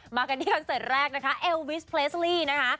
มากันที่คอนเสิร์ตแรกนะคะเอลวิสเพลสลี่นะคะ